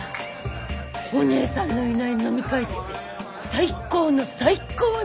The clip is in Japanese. お姉さんのいない飲み会って最高の最高ね！